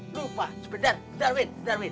lupa sebentar bentar bin bentar bin